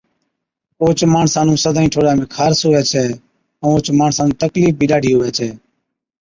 اوهچ ماڻسان نُون ٺوڏا سدائِين خارس هُوَي ڇَي ائُون اوهچ ماڻسا نُون تڪلِيف بِي ڏاڍِي هُوَي ڇَي،